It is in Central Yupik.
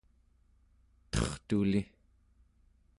tertuli